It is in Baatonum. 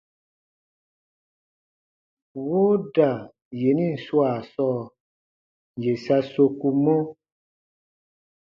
Wooda yenin swaa sɔɔ, yè sa sokumɔ: